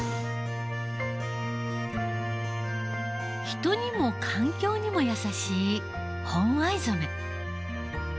人にも環境にも優しい本藍染。